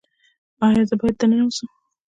ایا زه باید دننه اوسم؟